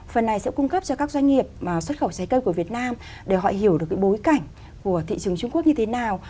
phần này sẽ cung cấp cho các doanh nghiệp xuất khẩu trái cây của việt nam để họ hiểu được bối cảnh của thị trường trung quốc như thế nào